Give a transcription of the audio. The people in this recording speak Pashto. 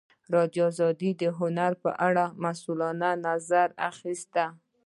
ازادي راډیو د هنر په اړه د مسؤلینو نظرونه اخیستي.